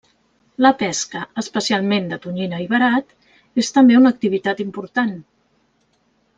La pesca, especialment de tonyina i verat, és també una activitat important.